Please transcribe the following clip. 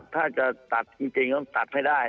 ถ้าจะตัดจริงต้องตัดให้ได้